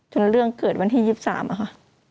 เรื่องเกิดวันที่๒๓อะค่ะ